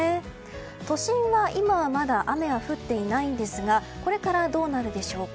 都心は今はまだ雨は降っていないんですがこれからどうなるでしょうか。